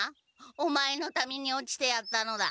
オマエのために落ちてやったのだ。